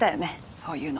そういうの。